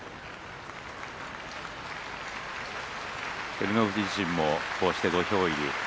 照ノ富士自身もこうして土俵入り。